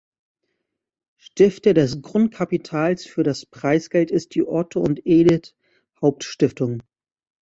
Stifter des Grundkapitals für das Preisgeld ist die Otto-und-Edith-Haupt-Stiftung.